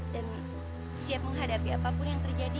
dan siap menghadapi apapun yang terjadi